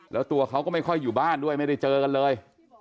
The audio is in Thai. แล้วตัวเขาก็ไม่ค่อยอยู่บ้านด้วยไม่ได้เจอกันเลย